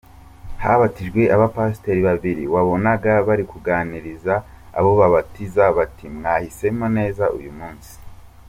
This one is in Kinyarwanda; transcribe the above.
Habatije Abapasteri babiri wabonaga barikuganiriza abo babatiza bati:”Mwahisemo neza uyu munsi”.